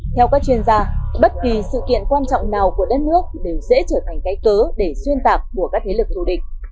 theo các chuyên gia bất kỳ sự kiện quan trọng nào của đất nước đều sẽ trở thành cái cớ để xuyên tạc của các thế lực thù địch